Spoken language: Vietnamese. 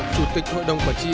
chủ tịch hội đồng thành viên